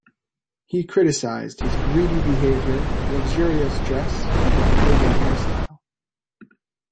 He criticised his greedy behaviour, luxurious dress and his pagan hair style.